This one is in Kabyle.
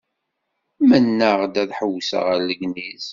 Mennaɣ-d ad ḥewwseɣ ar Legniz.